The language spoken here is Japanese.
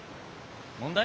問題？